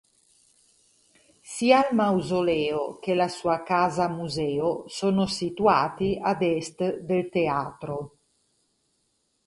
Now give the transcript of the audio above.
Sia il mausoleo che la sua casa-museo sono situati ad est del teatro.